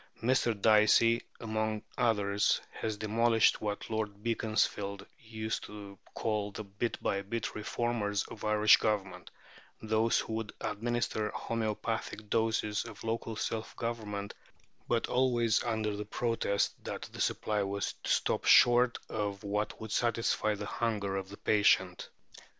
Mr. Dicey, among others, has demolished what Lord Beaconsfield used to call the "bit by bit" reformers of Irish Government those who would administer homoeopathic doses of local self government, but always under protest that the supply was to stop short of what would satisfy the hunger of the patient.